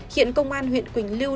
hiện công an huyện quỳnh lưu